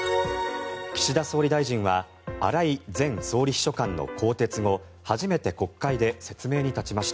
岸田総理大臣は荒井前総理秘書官の更迭後初めて国会で説明に立ちました。